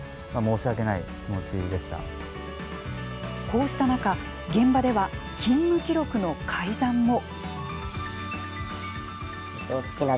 こうした中現場では勤務記録の改ざんも。